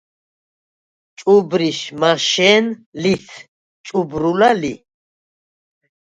ჭუბრიშ მაშენ ლიც ჭუბრულა ლი.